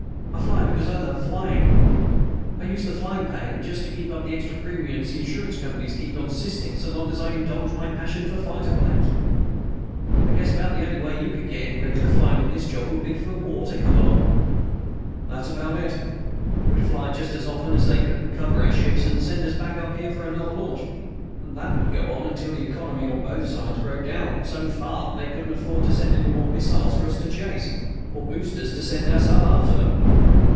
I fly because I love flying. I use the flying pay just to keep up the extra premiums the insurance companies keep insisting on so long as I indulge my passion for fighter planes." "I guess about the only way you could get any regular flying on this job would be for a war to come along." "That's about it. We'd fly just as often as they could recover our ships and send us back up here for another launch. And that would go on until the economy on both sides broke down so far they couldn't make any more missiles for us to chase, or boosters to send us up after them.